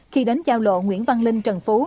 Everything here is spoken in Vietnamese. khi đến giao lộ nguyễn văn linh trần phú